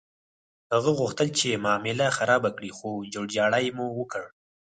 هغه غوښتل چې معامله خرابه کړي، خو جوړجاړی مو وکړ.